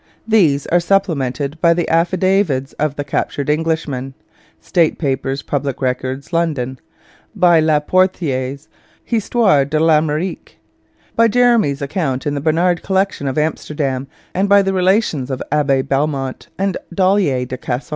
These are supplemented by the affidavits of the captured Englishmen (State Papers, Public Records, London), by La Potherie's Histoire de l'Amérique, by Jeremie's account in the Bernard Collection of Amsterdam, and by the Relations of Abbé Belmont and Dollier de Casson.